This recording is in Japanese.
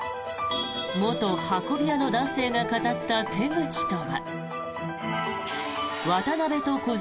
元運び屋の男性が語った手口とは。